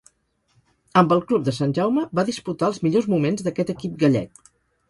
Amb el club de Sant Jaume va disputar els millors moments d'aquest equip gallec.